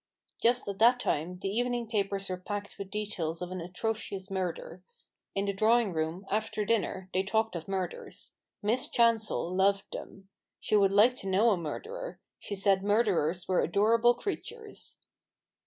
Just at that time, the evening papers were packed with details of an atrocious murder. In the drawing room, after dinner, they talked of murders. Miss Chancel loved them. She would like to know a murderer ; she said murderers were adorable creatures.